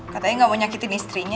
katanya nggak mau nyakitin istrinya